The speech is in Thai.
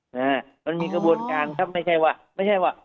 นะฮะมันมีกระบวนการครับไม่ใช่ว่าไม่ใช่ว่า